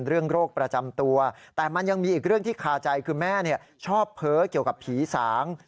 คือแม่ชอบเพ้อเกี่ยวกับผีสาง